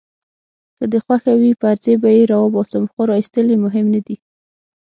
که دي خوښه وي پرزې به يې راوباسم، خو راایستل يې مهم نه دي.